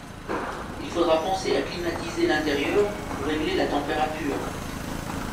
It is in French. Il faudra penser à climatiser l’intérieur pour régler la température.